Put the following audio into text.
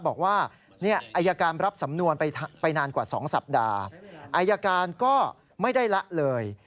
บอกว่าอายการรับสำนวนไปนานกว่า๒สัปดาห์อายการก็ไม่ได้ละเลย